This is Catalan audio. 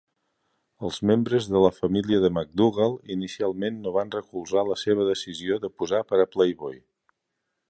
Els membres de la família de McDougal inicialment no van recolzar la seva decisió de posar per a "Playboy".